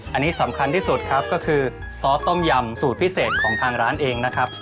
อันนี้สำคัญที่สุดครับก็คือซอสต้มยำสูตรพิเศษของทางร้านเองนะครับ